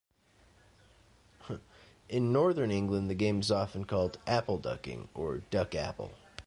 In northern England, the game is often called apple ducking or duck-apple.